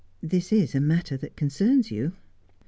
This is a matter that concerns you.'